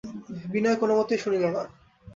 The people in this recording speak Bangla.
বিনয় কোনোমতেই শুনিল না।